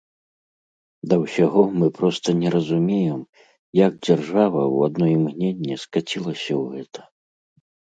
Да ўсяго, мы проста не разумеем, як дзяржава ў адно імгненне скацілася ў гэта.